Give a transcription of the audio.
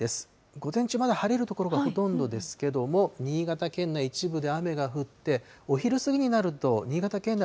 午前中、まだ晴れる所がほとんどですけども、新潟県内一部で雨が降って、お昼過ぎになると新潟県内